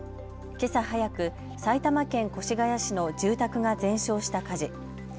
けさ早く埼玉県越谷市の住宅が全焼した火事。